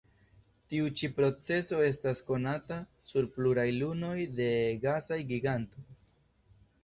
Tiu ĉi procezo estas konata sur pluraj lunoj de gasaj gigantoj.